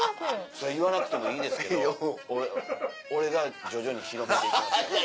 それ言わなくてもいいですけど俺が徐々に広めていきます。